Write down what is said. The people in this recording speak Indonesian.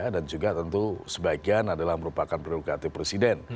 dan juga tentu sebagian adalah merupakan prerogatif presiden